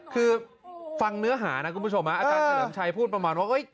คือฟังเนื้อหานะคุณผู้ชมอาจารย์เฉลิมชัยพูดประมาณว่า